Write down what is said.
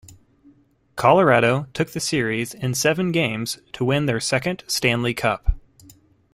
Colorado took the series in seven games to win their second Stanley Cup.